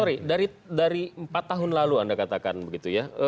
sorry dari empat tahun lalu anda katakan begitu ya